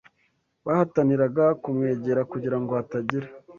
Bahataniraga kumwegera kugira ngo hatagira